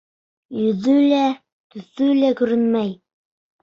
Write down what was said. Йөҙө лә, төҫө лә күренмәй.